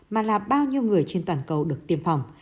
mà là bao nhiêu người trên toàn cầu được tiêm phòng